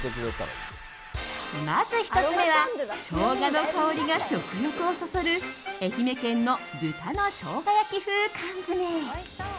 まず１つ目はショウガの香りが食欲をそそる愛媛県の豚の生姜焼き風缶詰。